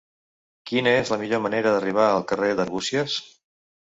Quina és la millor manera d'arribar al carrer d'Arbúcies?